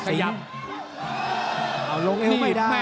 แสนเหลี่ยม